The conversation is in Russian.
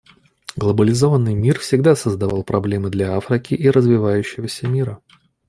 Глобализованный мира всегда создавал проблемы для Африки и развивающегося мира.